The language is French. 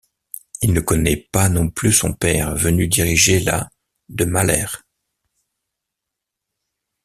Il ne connaît pas non plus son père venu diriger la de Mahler.